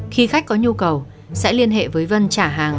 khi khách có nhu cầu sẽ liên hệ với vân trả hàng